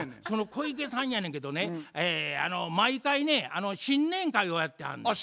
その小池さんやねんけどね毎回ね新年会をやってはんねや。